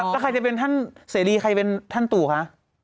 แล้วใครจะเป็นท่านเสรีใครเป็นท่านตู่คะ